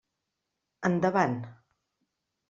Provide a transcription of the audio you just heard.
Endavant!